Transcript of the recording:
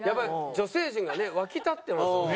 女性陣がね沸き立ってますね。